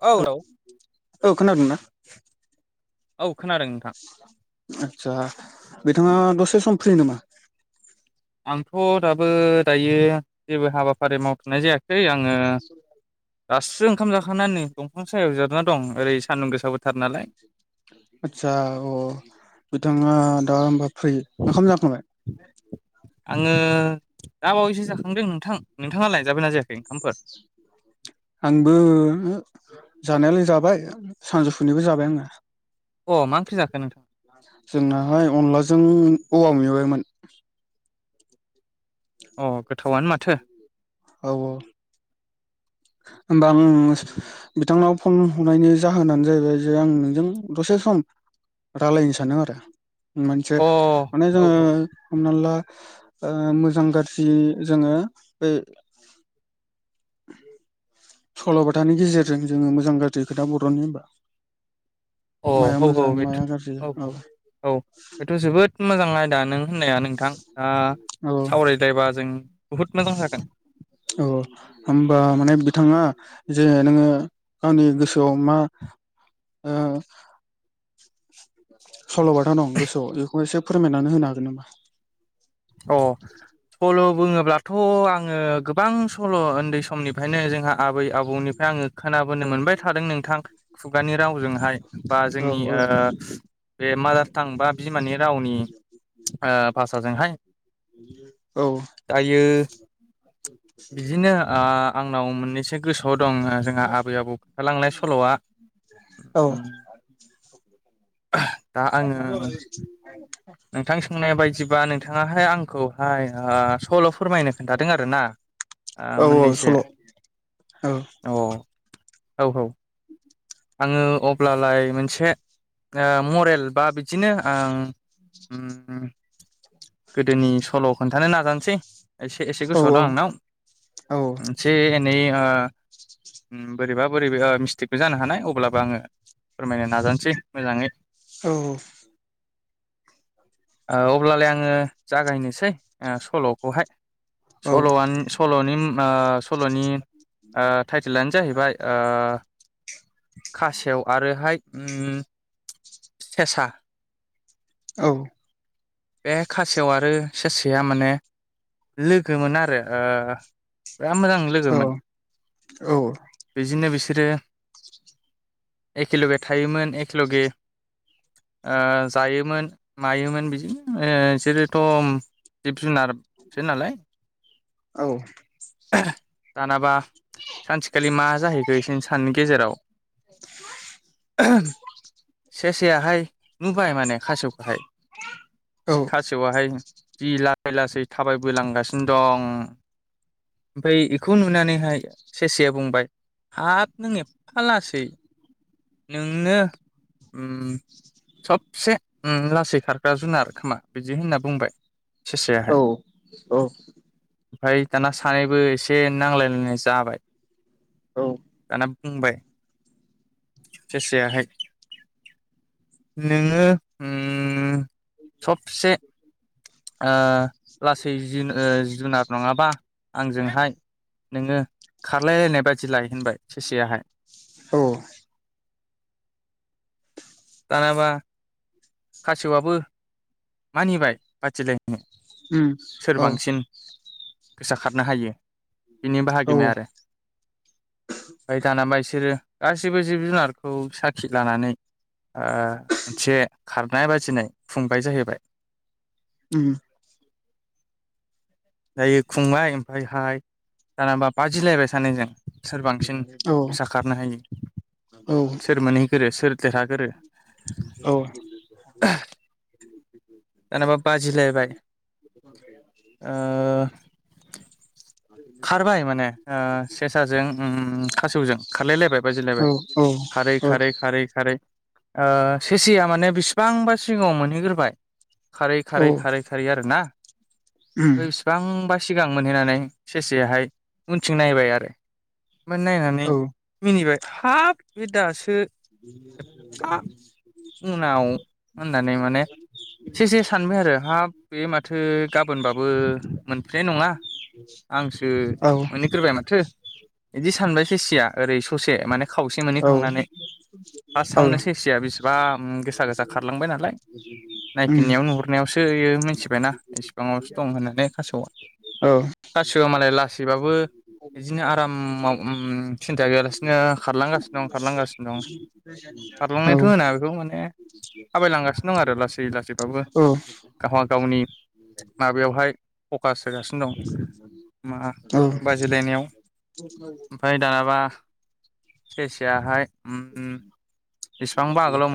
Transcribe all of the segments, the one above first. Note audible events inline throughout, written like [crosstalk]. औ औ [unintelligible] ओ खोनादों ना? औ खोनादों नोंथां आतसा नोंथाङा दसे सम फ्रि नामा? आंथ' दाबो दायो जेबो हाबाफारि मावथ'नाय जायाखै आङो दासो ओंखाम जाखांना नै दंफां सायाव जिरायना दं एरै सानदुं गोसाबो। आथसा अ नोंथाङा दा होमबा फ्रि ओंखाम जाखांबाय। आङो दा बावैसो जाखांदों नोंथां नोंथाङालाय जाबायना जायाखै ओंखामफोर? आंबो जानायालाय जाबाय सानजौफुनिबो जाबाय आङो। अ मा ओंख्रि जाखो नोंथां जोंनाहाय अनलाजों औवा मेवायमोन। अ गोथावानो माथो। औ औ। होमबा आं बिथांनाव फन हरनायनि जाहोनानो जाहैबाय जे आं नोंजों दसे सम रायलायनो सानदों आरो। मोनसे माने औ जोङो हमना ला ओ मोजां गाज्रि जोङो बै [inaudible] सल'बाथानि गेजेरजों जोङो मोजां गाज्रि खोथा बर'ननि होमबा अ माया औ औ मोजां बेथ' माया गाज्रि औ औ औ बेथ' जोबोद मोजां आ दा नों होननाया नोंथां आ औ सावरायलायबा जों बुहुद मोजां जागोन। औ होमबा माने बिथाङा जोङो नोङो गावनि गोसोआव मा ओ सल'बाथा दं गोसोआव बेखौ एसे फोरमायनानै होनो हागोन नोमा? अ सल' बुङोब्लाथ' आङो गोबां सल' ओन्दै समनिफ्रायनो जोंहा आबै आबौनिफ्राय आङो खोना बोनो मोनबाय थादों नोंथां खुगानि रावजोंहाय। होमबा औ जोंनि औ ओ बे मा थांबा बिमानि रावनि ओ भाषाजोंहाय दायो बिदिनो आ आंनाव मोननैसो गोसोआव दङ जोंहा आबै आबौ खोनथालांनाय सल'आ। औ ओम [inaudible] नोंथां सोंनाय बायदिबा नोंथाङाहाय आंखौहाय ओ सल' फोरमायनो खोनथादों आरो ना? ओ औ औ मोननैसो सल' औ अ औ औ आङो अब्लालाय मोनसे ओ मरेल बा बिदिनो आं उम उम गोदोनि सल' खोन्थानो नाजानोसै एसे एसे औ गोसोआव दं आंनाव। औ। नै ओ बोरैबा बोरैबि मिस्टेकबो जानो हानाय अब्लाबो आङो फोरमायनो नाजानोसै मोजाङै। औ औ ओ अब्लालाय आंङो जागायनोसै सल'खौहाय औ सल'आ सल'नि सल'नि टाइटेलानो जाहैबाय ओ खासेव आरोहाय उम सेसा औ बे खासेव आरो सेसाया माने लोगोमोन आरो ओ बिराद मोजां लोगोमोन औ बिजोंनो बिसोरो एखेेलगे थायोमोन एखेेलगे जायोमोन मायोमोन बिदिनो बिसोरोथ' जिब जुनारसो नालाय औ दानाबा सानसेखालि मा जाहैखो एसे साननि गेजेराव सेसा सेसायाहाय नुबाय माने खासेवखौहाय खासेवाहाय जि ला सै लासै थाबायबो लांगासिनो दं ओमफ्राय बेखौ नुनानैहाय सेसाया बुंबाय हाब नों एफा लासै नोंनो उम सबसे लासै खारग्रा जुनार खोमा बिदि होनना बुंबाय सेसायाहाय औ औ ओमफ्राय दाना सानैबो एसे नांलायलायनाय जाबाय दाना बुंबाय सेसायाहाय नोङो उम सबसे ओ लासै जि जुनार नङाबा आंजोंहाय नोङो खारलायलायनाय बादिलाय होनबाय सेसायाहाय औ दानाबा खासेवाबो मानिबाय बाथिले उम औ गोसा खारनो हायो बिनि औ बाहागिमोन आरो। [inaudible] ओमफ्राय दाना बिसोरो गासिबो जिब जुनारखौ साखि लानानै ओ मोनसे खारनाय बाजिनाय खुंबाय जाहैबाय। उम जायो खुंबाय ओमफ्रायहाय जानाबा बाजिलायबाय सानैजों सोर बांसिन औ फैसा खारनो हायो सोर मोनहैग्रो सोर देरहागोरो। औ जेनेबा बाजिलायबाय ओ [inaudible] खारबाय माने सेसाजों खासेवजों खारलायलायबाय बाजिलायबाय औ खारै खारै खारै खारै ओ सेसाया माने बिसिबांबा सिगाङाव मोनहैग्रोबाय खारै औ खारै खारै खारै आरोना उम बेसेबांबा सिगां मोनहैनानै सेसायाहाय उनथिं नायबाय आरो ओफ्राय नायनानै मिनिबाय हाब बे दासो हा [inaudible] इसे इसे सानबाय आरो हाब बे माथो गाबोनबाबो मोनफैनाय नङा आंसो औ मोनहैग्रोबाय माथो बिदि सानबायसो सेसाया ओरै ससे माने खावसे मोनहै औ खांनानै औ फास्स्टआवनो सेसाया बेसेबा गोसा गोसा खारलांबाय नालाय उम नायफिननायाव नुहुरनायावसोयो मिथिबायनाा इसिबाङावसो दं होननानै खासेव आ औ खासेवा मालाय लासैबाबो बिदिनो आरामाव सिन्था गैयालासि नो खारला खारलांगासिनो दं खारलांगासिनो दं औ खारलांनायाथ' होना बेखौ माने थाबायलांगासिनो दं आरो लासै लासैबाबो गावबा गावनि माबेवहाय फकास होगासिनो दं मा औ बाजिलायनायाव ओमफ्राय दानाबा सेसायाहाय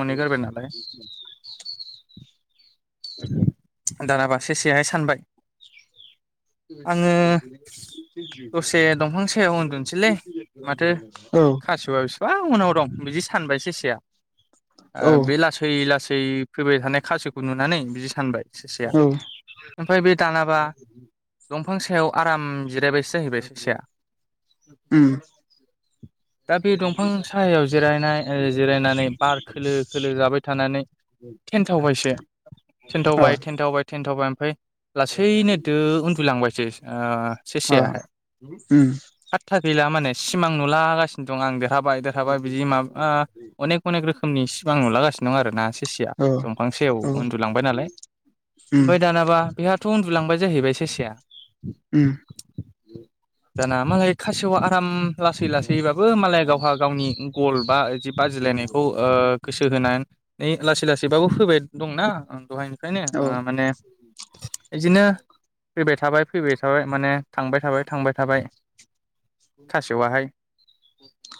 मोनहैग्रोबाय नालाय दानाबा सेसायाहाय सानबाय आङो दसे दंफां सायाव उन्दुनोसैलै माथो खासेव आ बेसिबां उनाव दं बिदि सानबाय सासेया औ बे लासै लासै फै फैबाय थानाय खासेवखौ नुनानै बिदि सानबाय सेसाया औ ओमफ्राय बे दानाबा दंफां सायाव आराम जिरायबाय उम दा बे दंफां साहायाव जिरायनाय जिरायनानै बार खोलो खोलो जाबाय थानानै थेनथावबायसो थेनथावबाय थेन्थावबाय थेनथावबाय ओमफ्राय लासैनो दो उ सो औ सेसायाहाय उम फाथा गैला माने सिमां नुलागासे दं आं देरहाबाय देरहाबाय बिदि माबा अनेक अनेक रोखोमनि सिमां नुलागासिनो दं आरोना सेसाया दंफां सेराव उन्दुलांबाय नालाय ओमफ्राय दानाबा बेहाथ' लांबाय जाहैबाय सेेसाया उम जाना मालाय खासेया आराम लासै लासैबाबो मालाया गावहा गावनि गल बाब बाजिलायनायखौ गोसो होनानै लासै लासैबाबो फोबाय दंना दहाय ओनिखायनो औ माने बिदिनो फैबाय थाबाय फैबाय माने थांबाय थाबाय थांबाय थाबाय खासेवाहाय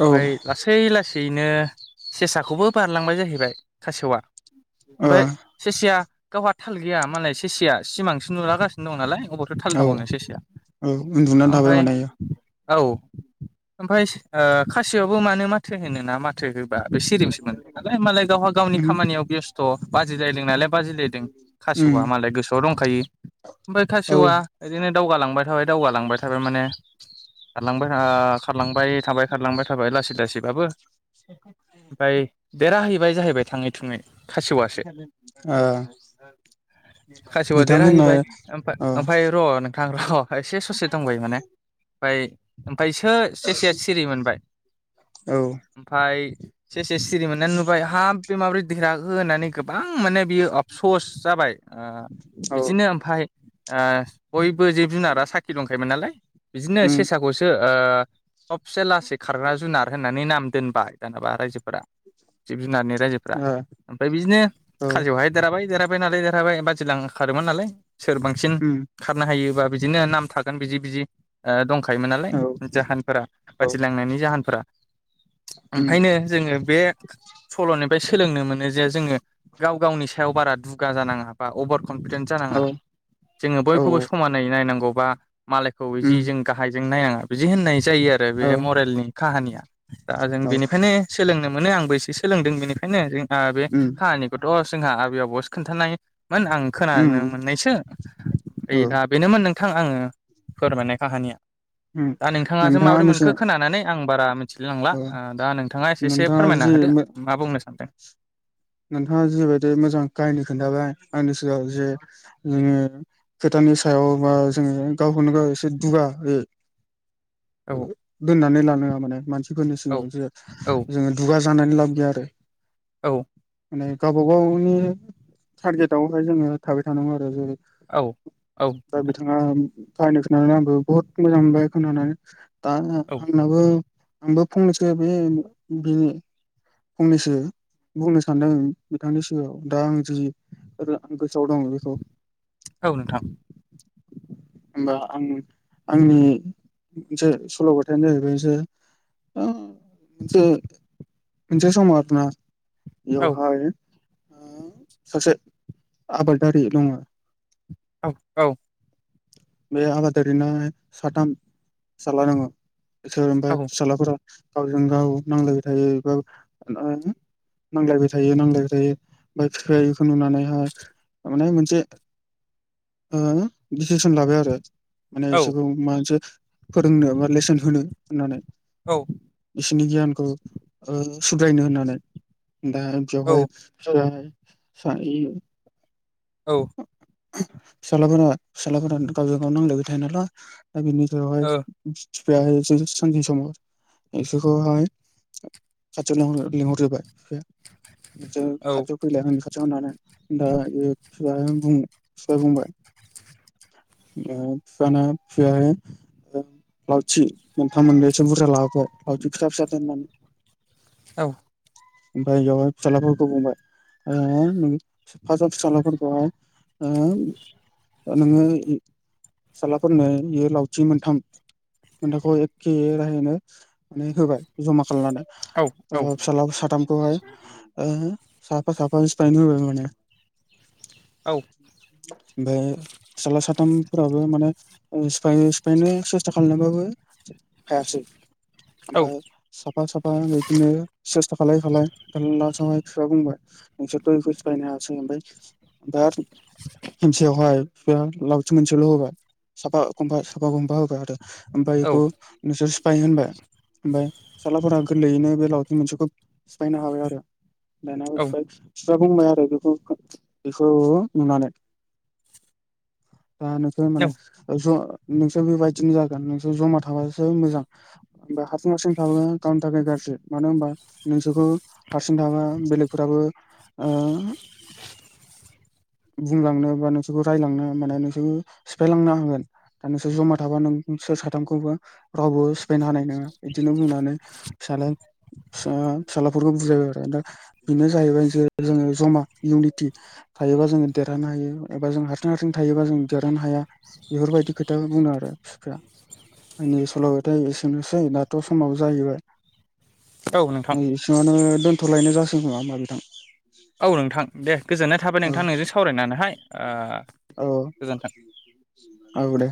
औ ओ लासै लासैनो सेसाखौबो बारलांबाय जाहैबाय खासेवआ औ ओमफ्राय सेसाया गावहा थाल गैया मालाय सेसाया सिमां नुलागासिनो दं नालाय अबावथो थाल औ थाबावनो सेसाया औ उन्दुनानै थाबाय ओमफ्राय माने औ ओमफ्राय खासेवयाबो मानो माथो होनो ना माथो हो बे सिरिसो मोनदों नालाय हालाय गावहा गावनि उम खामानियाव बेस्थ' बाजिलायदों नालाय बाजिलायदों उम खासे'वा मालाय गोसोआव दंखायो ओमफ्राय औ खासेवआ इदिनो दावगालांबाय थाबाय दावगालांबाय थाबाय माने खारलांबाय खारलांबाय थाबाय खारलांबाय थाबाय लासै लासैबाबो ओमफ्राय देराहैबाय जाहैबाय थाङै थुङै खासेवासो अ खासेवा देरहाहैबाय औ ओमफ्राय र' नोंथां र' एसे ससे दं बुंबाय माने ओमफ्राय ओमफ्राय सो सेसाया सिरि मोनबाय औ ओमफ्राय सेसाया सिरि मोननानै नुबाय हाब बे माबोरै देरहाखो होननानै गोबां माने बियो अपसस जाबाय औ बिदिनो ओमफ्राय बयबो जिब जुनारा साखि दंखायोमोन नालाय बिदिनो उम सेसाखौसो सबसे लासै खारग्रा जुनार होननानै नाम दोनबाय दानाबा रायजोफोरा जिब जुनारनि रायजोफ्रा ओमफ्राय बिदिनो ओ औ खाजिरायावहाय देरहाबाय देरहाबाय नालाय देरहाबाय बाजिलां खारोमोन नालाय सोर बांसिन उम खारनो हायोबा बिदिनो नाम थागोन बिदि बिदि दंखायोमोन नालाय औ उम औ जाहोनफोरा औ बाथिलांनायनि जाहोनफोरा उम ओंखायनो जोङो बे सल'निफ्राय सोलोंनो मोनो जे जोङो गाव गावनि सायाव बारा दुगा जानाङा बा अबार कनफिदेन्ट जानाङा औ औ जोङो बयखौबो समानै नायनांगौबा मालायखौ जि उम जों गाहायजों नायनाङा बिदि होननाय जायो आरो बे मरेलनि काहानिया दा जों बेनिफ्रायनो सोलोंनो मोनो आंबो एसे सोलोंदों बेनिखायनो जों बे काहानिखौथ' जोंहा आबै आबावसो खोन्थानाय मोन आं खोनानो उम मोननायसो ओइ औ दा बेनोमोन नोंथां आङो फोरमायनाय काहानिया उम दा नोंथाङासो नोंथाङा माबोरै नोंसो मोनखो खोनानानै आं बारा मिथिलायलांला ओ दा नोंथाङा एसे एसे नोंथाङा फोरमायना जि होदो मो मा बुंनो सानदों नोंथाङा जिेबायदि मोजां काहिनि खोन्थाबाय आंनि सिगाङ जे जोङो खोथ नि सायाव बा जोङो गावखौनो गाव एसे दुगा औ दोननानै लानाङा माने मानसिफोरनि औ सिगाङाव जे औ जोङो दुगा बुंनानै लाब गैया आरो औ माने गावबा गावनि टारगेटआवहाय जोङो थाबाय थानांगौ आरो जेरै औ औ दा बिथाङा बाहायनो खोनानानै आंबो बहुत मोजां मोनबाय खोनानानै दा औ आंनाबो आंबो फंनैसो बेनि फंनैसो बुंनो सानदों बिथांनि सिगाङाव दा आं जिसो [unintelligible] [inaudible] औ नोंथां होमबा आंनि मोनसे सल' बाथायानो जाहैबाय मोनसे मोनज सम औ मार सासे आबादारि दङ औ औ बे आबादारिनो साथाम फिसाज्ला दङो ओफ्राय औ फिसााज्लाफोरा गावजों गाव नांलायबाय थायोबा नांलायबाय थायो नांलायबाय थायो ओमफ्राय बिफायाखौ नुनानैहाय थारमाने मोनसे लाबाय आरो माने औ बिसोरखौ मा मोनसे फोरोंनो बा लेसन होनो होननानै औ बिसोरनि गियानखौ सुग्रायनो होननानै दा औ जहाय औ फिसालाफोरा फिसालाफोरा गावजों गाव नांलायबाय थायो नालाय दा बिनि औ सायावहाय [unintelligible] [inaudible] बिसोरखौहाय खाथियाय लिहरजोबाय न औ खाथियाव फैलाय खाथियाव होननानै दा [unintelligible] बुं फिसाया बुंबाय [unintelligible] [inaudible] लावथि मोनथाम मोननै एसे बुरजा लाबोबाय लावथि फिसा फिसा दोननानै औ ओमफ्राय बेयावहाय फिसालाफोरखौ बुंबाय ओ फासाव फिसालाफोरखौ [unintelligible] [inaudible] फिसाज्लाफोरनो बियो लावथि मोनथाम मथाखौ एखे राहायैनो माने होबाय जमा खालामनानै औ ओ फिसा्ला साथामखौहाय ओ साफा साफासाय न माने - औ ओमफफ्राय फिसाज्ला साथामफोराबो माने सिफाय सिफायनो सेस्था खालामबाबो हायासै ओमफ्राय साफा साफा बिदिनो सेस्था खााय खााय सहाय बिफ्रा बुंबाय नोंसोरथ बायनो हासैबाय [unintelligible] द [unintelligible] हेमसेयावहाय बि लावथि मोनसेल होबाय साफा गमबा साफा गम्बा होबाय आरो । [unintelligible] औ सिफाय होनबाय ओमफ्राय फिाजलाफोरा गोरलैयैनो बे लावथिं मोनसेखौ सिफायनो हाबाय आरो । [unintelligible] बेखौ नुनानै ओ नोंसोर माने ज नोंसोर बेबायदिनो जागोन नोंसोर जमा थाबासो मोजां ओफ्राय हारसिं हारसिं थाबा गावनि थाखाय गाज्रि मानो होनबा नोंसोरखौ हारसिं थाबा बेलेगफोराबो बुंलांनो बा नोंसोरखौ रायलांनो माने नोंसोरखौ सिफायलांनो हागोन दा नोंसोर जमा थाबा नों सोर साथामखौबो रावबो स्पेन्ड हानाय नङा बिदिनो बुंनानै फिसलाय फिसा फिसााज्लाफोरखौ बुजायबाय आरो दा बेनो जाहैबाय ज जोङो जमा इउनिटि थायोबा जोंङो देरहानो हायो एबा जों हारसिं हारसिं थायोबा जों देरहानो हाया बेफोरबायदि खोथाखो बुंदों आरो फिफाया आंनि सलबबायथाय एसेनोसै दाथ समाव जाहैबाय औ नोंथां बिसिङावनो दोनथलायनाय जासग नङा माब थां । औ नोंथां दे गोजोननाय थाबाय नोंथां नोंजों सावरायनानैहाय ओ औ गोजोन्थों। [inaudible] औदे